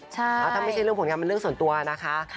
ถ้าไม่ใช่เรื่องผลงานเป็นเรื่องส่วนตัวนะคะ